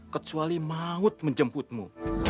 kecuali maut menjemputmu